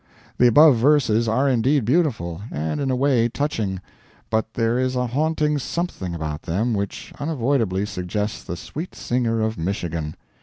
The above verses are indeed beautiful, and, in a way, touching; but there is a haunting something about them which unavoidably suggests the Sweet Singer of Michigan.